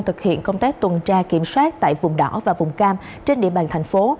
thực hiện công tác tuần tra kiểm soát tại vùng đỏ và vùng cam trên địa bàn thành phố